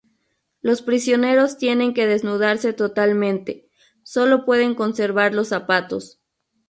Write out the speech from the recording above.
Los prisioneros tienen que desnudarse totalmente, solo pueden conservar los zapatos.